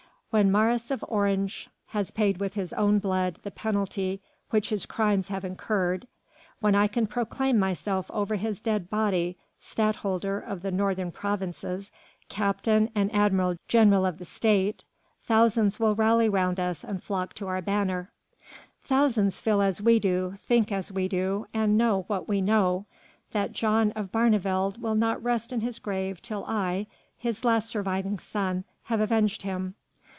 When Maurice of Orange has paid with his own blood the penalty which his crimes have incurred, when I can proclaim myself over his dead body Stadtholder of the Northern Provinces, Captain and Admiral General of the State, thousands will rally round us and flock to our banner. Thousands feel as we do, think as we do, and know what we know, that John of Barneveld will not rest in his grave till I, his last surviving son, have avenged him.